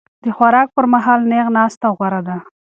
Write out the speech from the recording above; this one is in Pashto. د خوراک پر مهال نېغه ناسته غوره ده.